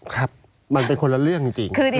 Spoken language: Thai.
ครับมันเป็นคนละเรื่องจริง